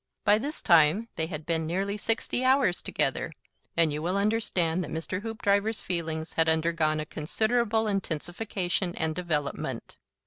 By this time they had been nearly sixty hours together, and you will understand that Mr. Hoopdriver's feelings had undergone a considerable intensification and development.